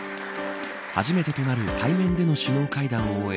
初めてとなる対面での首脳会談を終え